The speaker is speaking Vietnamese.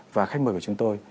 và khách mời của chúng tôi